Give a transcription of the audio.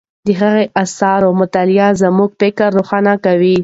د هغه د آثارو مطالعه زموږ فکر روښانه کوي.